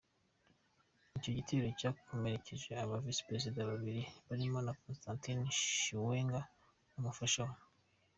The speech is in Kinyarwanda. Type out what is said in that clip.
Icyo gitero cyakomerekeje ba visi perezida be babiri barimo Constantine Chiwenga n’umufasha we.